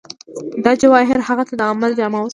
دا جوهر هغه ته د عمل جامه ورکوي